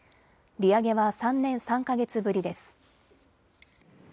利上げは３年３か月ぶりです。